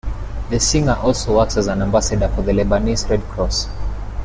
The singer also works as an ambassador for the Lebanese Red Cross.